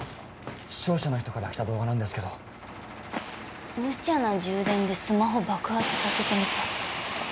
視聴者の人から来た動画なんですけど「無茶な充電でスマホ爆発させてみた」